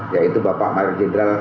yaitu bapak mayor general